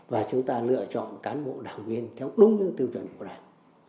và chúng ta lựa chọn cán bộ đảng viên theo đúng những tiêu chuẩn của đảng